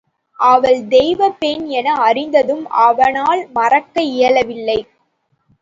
அவள் தெய்வப் பெண் என அறிந்தும் அவனால் மறக்க இயலவில்லை.